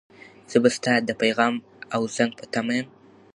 زه به ستا د پیغام او زنګ په تمه یم.